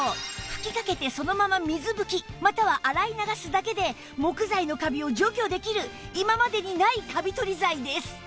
吹きかけてそのまま水拭きまたは洗い流すだけで木材のカビを除去できる今までにないカビ取り剤です